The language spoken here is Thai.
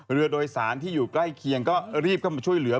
เรือโดยสารที่อยู่ใกล้เคียงก็รีบเข้ามาช่วยเหลือ